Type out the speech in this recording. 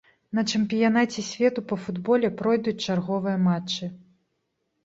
На чэмпіянаце свету па футболе пройдуць чарговыя матчы.